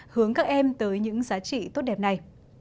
hướng các em tới những giá trị tốt đẹp này